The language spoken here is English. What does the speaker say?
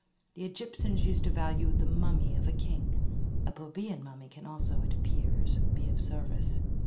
The Egyptians used to value the mummy of the king; a plebeian mummy can also, it appears, be of service.